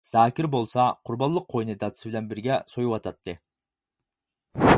زاكىر بولسا قۇربانلىق قوينى دادىسى بىلەن بىرگە سويۇۋاتاتتى.